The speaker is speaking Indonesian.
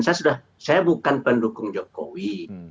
saya sudah saya bukan pendukung jokowi